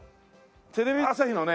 テレビ朝日のね